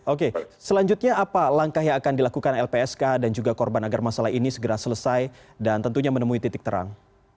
oke selanjutnya apa langkah yang akan dilakukan lpsk dan juga korban agar masalah ini segera selesai dan tentunya menemui titik terang